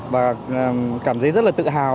và cảm thấy rất là tự hào